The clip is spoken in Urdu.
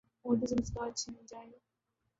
ہونٹوں سے مسکان چھن جائے